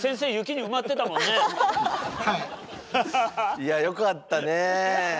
いやよかったね。